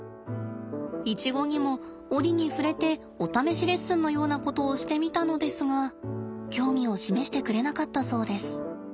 イチゴにも折に触れてお試しレッスンのようなことをしてみたのですが興味を示してくれなかったそうです。